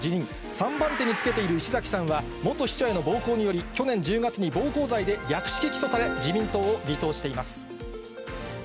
３番手につけている石崎さんは、元秘書への暴行により、去年１０月に暴行罪で略式起訴され、自民党を離党しています。